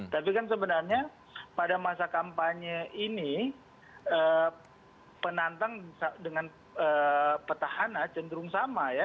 tapi kan sebenarnya pada masa kampanye ini penantang dengan petahana cenderung sama ya